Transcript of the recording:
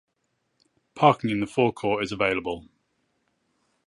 Parking in the forecourt is available.